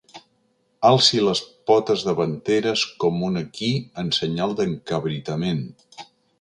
Alci les potes davanteres com un equí en senyal d'encabritament.